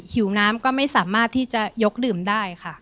หิวน้ำก็ไม่สามารถที่จะยกดื่มได้ค่ะ